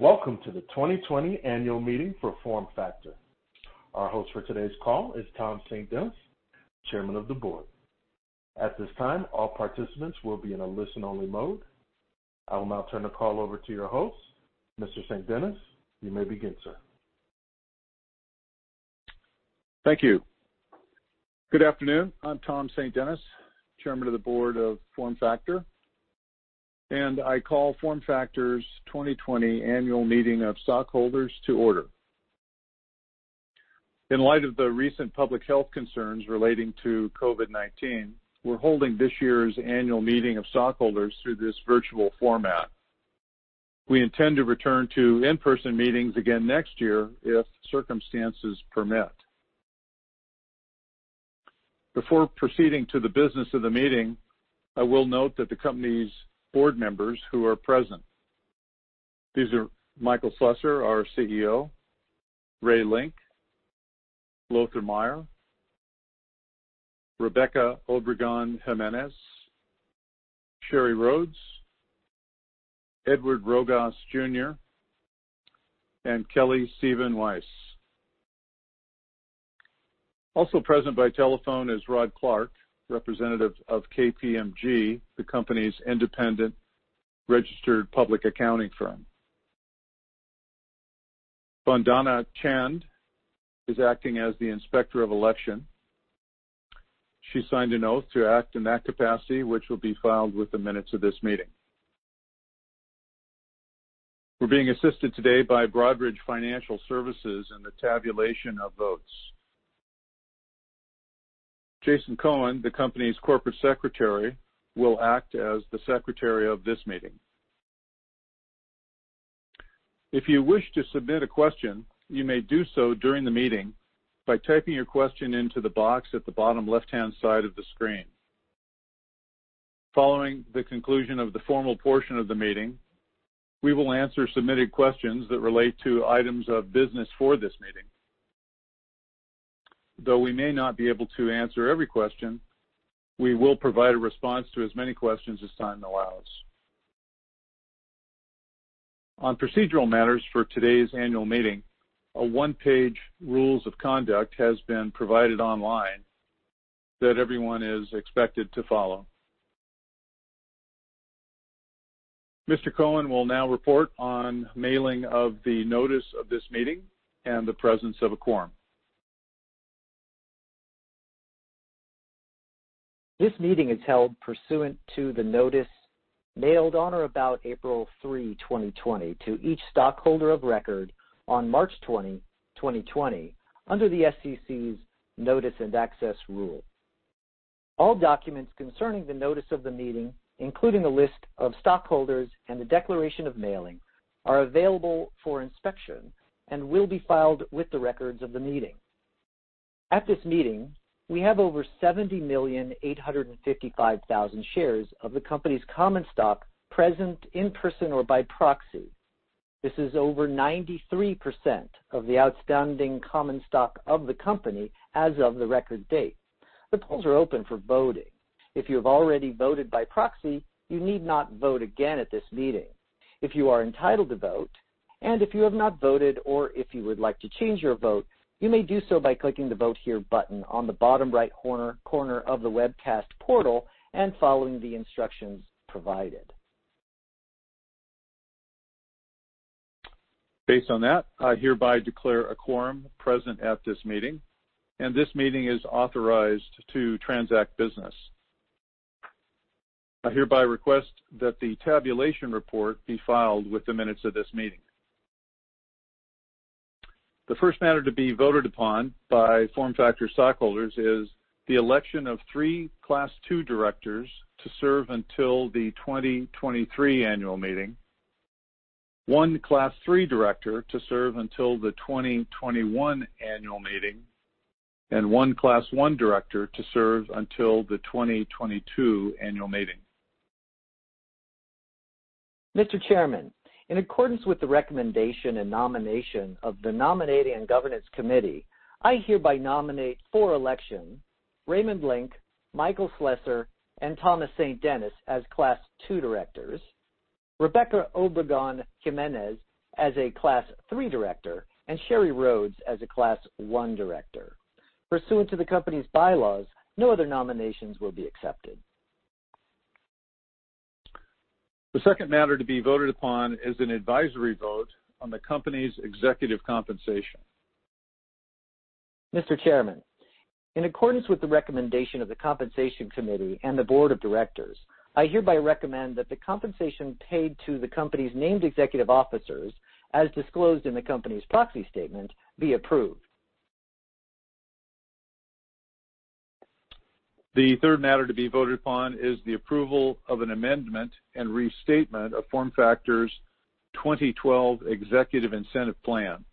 Welcome to the 2020 annual meeting for FormFactor. Our host for today's call is Tom St. Dennis, Chairman of the Board. At this time, all participants will be in a listen-only mode. I will now turn the call over to your host, Mr. St. Dennis. You may begin, sir. Thank you. Good afternoon. I'm Tom St. Dennis, Chairman of the Board of FormFactor, I call FormFactor's 2020 annual meeting of stockholders to order. In light of the recent public health concerns relating to COVID-19, we're holding this year's annual meeting of stockholders through this virtual format. We intend to return to in-person meetings again next year if circumstances permit. Before proceeding to the business of the meeting, I will note that the company's board members who are present. These are Michael Slessor, our CEO, Ray Link, Lothar Maier, Rebeca Obregon-Jimenez, Sheri Rhodes, Edward Rogas, Jr., and Kelley Steven-Waiss. Also present by telephone is Rod Clark, representative of KPMG, the company's independent registered public accounting firm. Vandana Chand is acting as the Inspector of Election. She signed an oath to act in that capacity, which will be filed with the minutes of this meeting. We're being assisted today by Broadridge Financial Services in the tabulation of votes. Jason Cohen, the company's Corporate Secretary, will act as the secretary of this meeting. If you wish to submit a question, you may do so during the meeting by typing your question into the box at the bottom left-hand side of the screen. Following the conclusion of the formal portion of the meeting, we will answer submitted questions that relate to items of business for this meeting. Though we may not be able to answer every question, we will provide a response to as many questions as time allows. On procedural matters for today's annual meeting, a one-page rules of conduct has been provided online that everyone is expected to follow. Mr. Cohen will now report on mailing of the notice of this meeting and the presence of a quorum. This meeting is held pursuant to the notice mailed on or about April 3, 2020 to each stockholder of record on March 20, 2020, under the SEC's Notice and Access rule. All documents concerning the notice of the meeting, including the list of stockholders and the declaration of mailing, are available for inspection and will be filed with the records of the meeting. At this meeting, we have over 70,855,000 shares of the company's common stock present in person or by proxy. This is over 93% of the outstanding common stock of the company as of the record date. The polls are open for voting. If you have already voted by proxy, you need not vote again at this meeting. If you are entitled to vote and if you have not voted or if you would like to change your vote, you may do so by clicking the Vote Here button on the bottom right corner of the webcast portal and following the instructions provided. Based on that, I hereby declare a quorum present at this meeting, and this meeting is authorized to transact business. I hereby request that the tabulation report be filed with the minutes of this meeting. The first matter to be voted upon by FormFactor stockholders is the election of three class II directors to serve until the 2023 annual meeting, one class III director to serve until the 2021 annual meeting, and one class I director to serve until the 2022 annual meeting. Mr. Chairman, in accordance with the recommendation and nomination of the Governance and Nominating Committee, I hereby nominate for election Raymond Link, Michael Slessor, and Thomas St. Dennis as class two directors, Rebeca Obregon-Jimenez as a class three director, and Sheri Rhodes as a class one director. Pursuant to the company's bylaws, no other nominations will be accepted. The second matter to be voted upon is an advisory vote on the company's executive compensation. Mr. Chairman, in accordance with the recommendation of the Compensation Committee and the Board of Directors, I hereby recommend that the compensation paid to the company's named executive officers, as disclosed in the company's proxy statement, be approved. The third matter to be voted upon is the approval of an amendment and restatement of FormFactor's 2012 Equity Incentive Plan.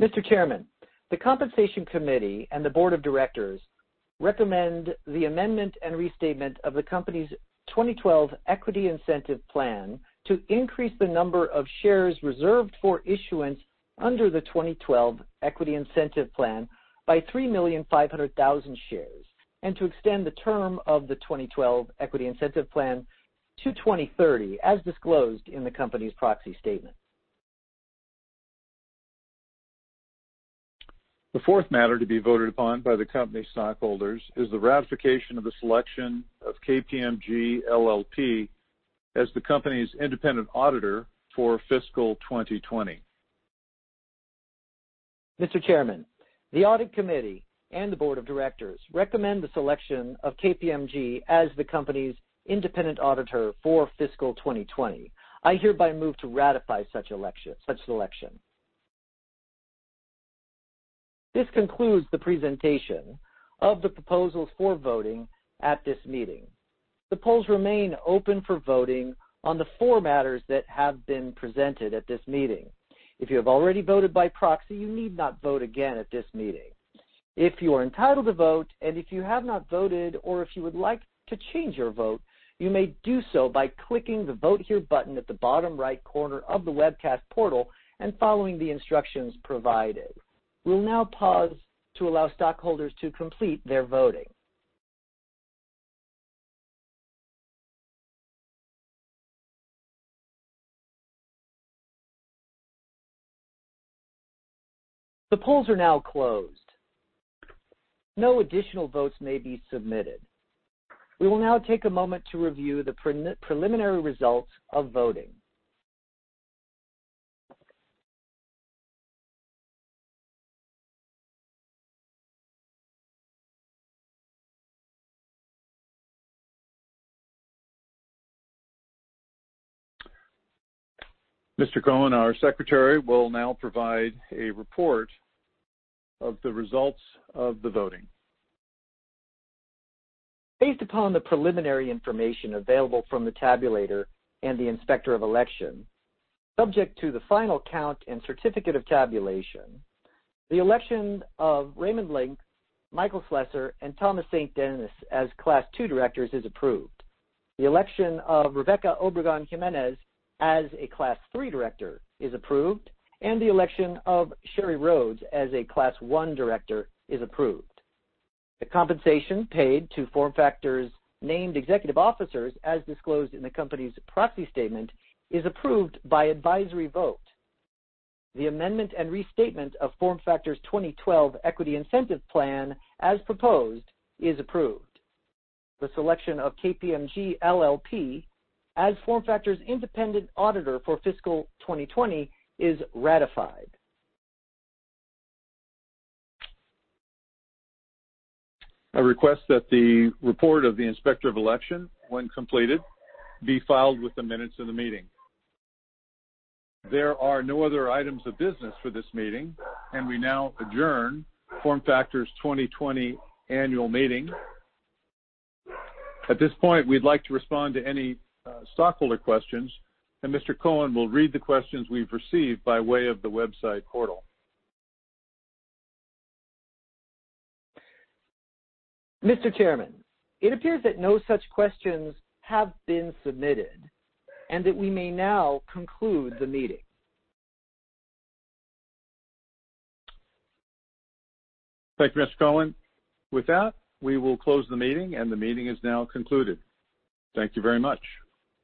Mr. Chairman, the Compensation Committee and the board of directors recommend the amendment and restatement of the company's 2012 Equity Incentive Plan to increase the number of shares reserved for issuance under the 2012 Equity Incentive Plan by 3,500,000 shares. To extend the term of the 2012 Equity Incentive Plan to 2030, as disclosed in the company's proxy statement. The fourth matter to be voted upon by the company stockholders is the ratification of the selection of KPMG LLP as the company's independent auditor for fiscal 2020. Mr. Chairman, the Audit Committee and the Board of Directors recommend the selection of KPMG as the company's independent auditor for fiscal 2020. I hereby move to ratify such selection. This concludes the presentation of the proposals for voting at this meeting. The polls remain open for voting on the four matters that have been presented at this meeting. If you have already voted by proxy, you need not vote again at this meeting. If you are entitled to vote and if you have not voted, or if you would like to change your vote, you may do so by clicking the Vote Here button at the bottom right corner of the webcast portal and following the instructions provided. We'll now pause to allow stockholders to complete their voting. The polls are now closed. No additional votes may be submitted. We will now take a moment to review the preliminary results of voting. Mr. Cohen, our Secretary will now provide a report of the results of the voting. Based upon the preliminary information available from the tabulator and the Inspector of Election, subject to the final count and certificate of tabulation, the election of Raymond Link, Michael Slessor, and Thomas St. Dennis as Class two directors is approved. The election of Rebeca Obregon-Jimenez as a Class three director is approved, and the election of Sheri Rhodes as a Class .ne director is approved. The compensation paid to FormFactor's named executive officers, as disclosed in the company's proxy statement, is approved by advisory vote. The amendment and restatement of FormFactor's 2012 Equity Incentive Plan, as proposed, is approved. The selection of KPMG LLP as FormFactor's independent auditor for fiscal 2020 is ratified. I request that the report of the Inspector of Election, when completed, be filed with the minutes of the meeting. There are no other items of business for this meeting, and we now adjourn FormFactor's 2020 annual meeting. At this point, we'd like to respond to any stockholder questions, and Mr. Cohen will read the questions we've received by way of the website portal. Mr. Chairman, it appears that no such questions have been submitted and that we may now conclude the meeting. Thank you, Mr. Cohen. With that, we will close the meeting, and the meeting is now concluded. Thank you very much.